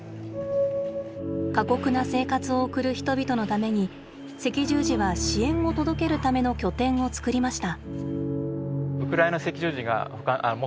過酷な生活を送る人々のために赤十字は支援を届けるための拠点をつくりました。